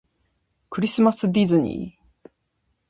クリスマスディズニー